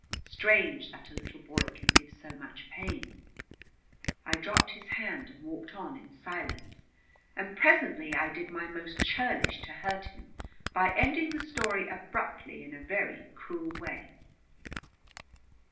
Strange that a little boy can give so much pain. I dropped his hand and walked on in silence, and presently I did my most churlish to hurt him by ending the story abruptly in a very cruel way.